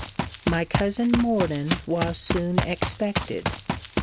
My cousin Morden was soon expected.